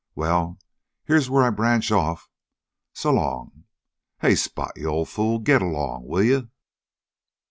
Well, here's where I branch off. S'long! Hey, Spot, you old fool, git along, will you?"